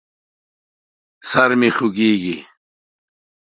سر مې خوږېږي.